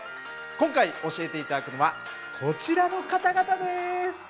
今回教えて頂くのはこちらの方々です。